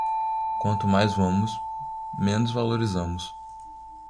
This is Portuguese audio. Quanto mais vamos, menos valorizamos.